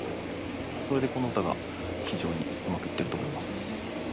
それでこの歌が非常にうまくいってると思います。